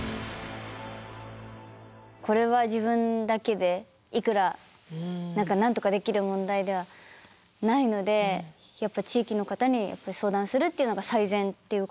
これは自分だけでいくらなんとかできる問題ではないのでやっぱ地域の方に相談するっていうのが最善っていうことですよね。